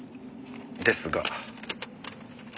ですが。